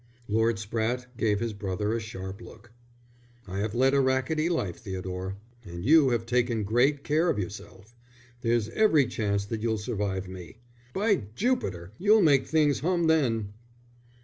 Lord Spratte gave his brother a sharp look. "I have led a racketty life, Theodore, and you have taken great care of yourself. There's every chance that you'll survive me. By Jupiter, you'll make things hum then!"